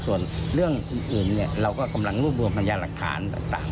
ส่วนเรื่องอื่นเราก็กำลังรวบรวมพยาหลักฐานต่าง